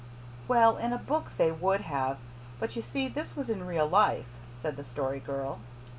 "Well, in a book they would have, but you see this was in real life," said the Story Girl.